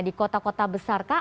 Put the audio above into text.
di kota kota besarkah